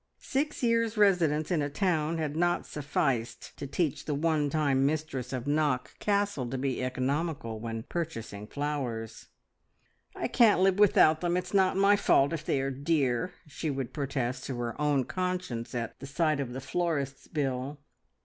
Six years' residence in a town had not sufficed to teach the one time mistress of Knock Castle to be economical when purchasing flowers. "I can't live without them. It's not my fault if they are dear!" she would protest to her own conscience at the sight of the florist's bill.